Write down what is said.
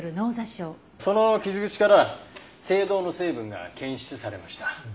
その傷口から青銅の成分が検出されました。